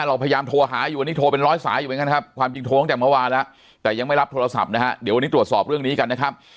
เราพยายามโทรหาอยู่วันนี้โทรเป็นร้อยสายอยู่เหมือนกันครับความจริงโทรตั้งแต่เมื่อวานแล้วแต่ยังไม่รับโทรศัพท์นะฮะเดี๋ยววันนี้ตรวจสอบเรื่องนี้กันนะครับ